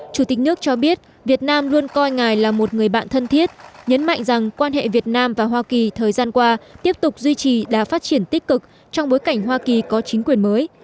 chủ tịch nước cho biết việt nam luôn coi ngài là một người bạn thân thiết nhấn mạnh rằng quan hệ việt nam và hoa kỳ thời gian qua tiếp tục duy trì đã phát triển tích cực trong bối cảnh hoa kỳ có chính quyền mới